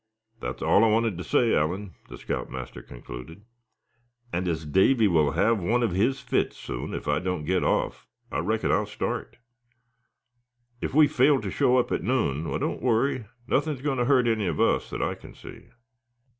"That's all I wanted to say, Allan," the scout master concluded; "and as Davy will have one of his fits soon, if I don't get off, I reckon I'll start. If we fail to show up at noon, why, don't worry. Nothing is going to hurt any of us, that I can see."